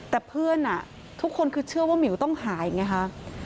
แต่เพื่อนทุกคนคือเชื่อว่าหมิวต้องหายไงคะ